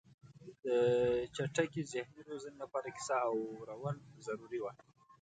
د چټکې ذهني روزنې لپاره کیسه اورول ضروري وه.